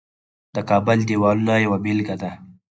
د کابل دیوالونه یوه بیلګه ده